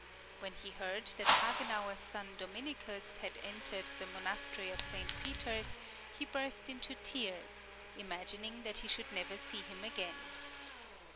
When he heard that Hagenauer's son Dominicus had entered the Monastery of St. Peter's he burst into tears, imagining that he should never see him again.